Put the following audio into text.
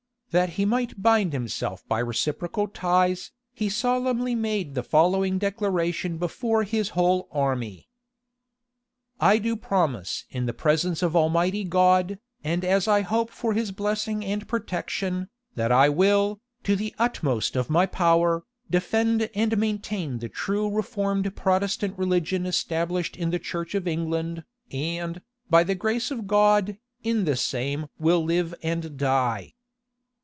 That he might bind himself by reciprocal ties, he solemnly made the following declaration before his whole army. "I do promise, in the presence of Almighty God, and as I hope for his blessing and protection, that I will, to the utmost of my power, defend and maintain the true reformed Protestant religion established in the church of England, and, by the grace of God, in the same will live and die.